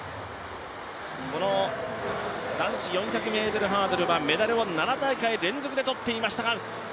男子４００ｍハードルはメダルを７大会連続でとっていましたがあーーー！